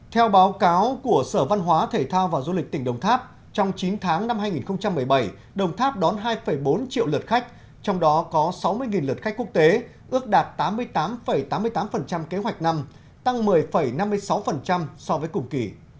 theo báo cáo của sở văn hóa thể thao và du lịch tỉnh đồng tháp trong chín tháng năm hai nghìn một mươi bảy đồng tháp đón hai bốn triệu lượt khách trong đó có sáu mươi lượt khách quốc tế ước đạt tám mươi tám tám mươi tám kế hoạch năm tăng một mươi năm mươi sáu so với cùng kỳ